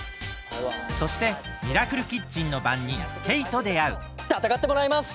そしてミラクルキッチンのばんにんケイとであうたたかってもらいます！